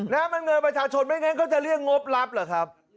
นะมันเงินประชาชนไม่งั้นเขาจะเรียกงบรับเหรอครับ